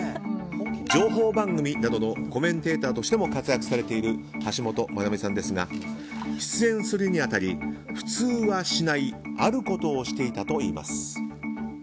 情報番組などのコメンテーターとしても活躍されている橋本マナミさんですが出演するに当たり、普通はしないあることをしていたといいます。